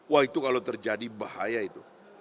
wah itu kalau terjadi bahaya itu